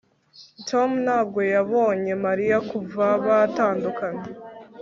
tom ntabwo yabonye mariya kuva batandukana